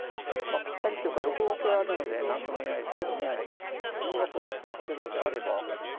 ぴったりっていうか６五桂があるので何とも言えないですけども銀がぼろっと取れるのであれば。